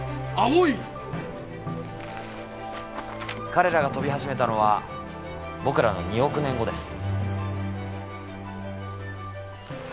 彼らが飛び始めたのは僕らの２億年後です。